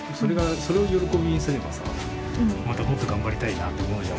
それを喜びにすればさまたもっと頑張りたいなって思うじゃん。